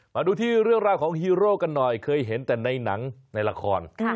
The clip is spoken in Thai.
มาดูที่เรื่องราวของฮีโร่กันหน่อยเคยเห็นแต่ในหนังในละคร